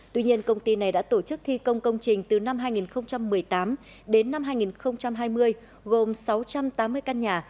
tuy nhiên công ty này đã tổ chức thi công công trình từ năm hai nghìn một mươi tám đến năm hai nghìn hai mươi gồm sáu trăm tám mươi căn nhà